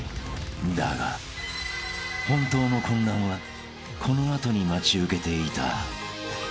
［だが本当の混乱はこの後に待ち受けていた］